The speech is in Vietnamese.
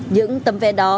những tấm vé đó nhanh chóng